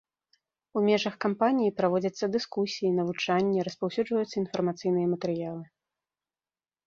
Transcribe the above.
У межах кампаніі праводзяцца дыскусіі, навучанні, распаўсюджваюцца інфармацыйныя матэрыялы.